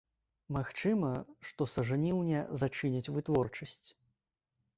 Магчыма, што са жніўня зачыняць вытворчасць.